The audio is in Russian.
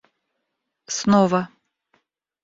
снова